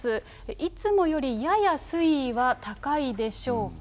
いつもよりやや水位は高いでしょうか。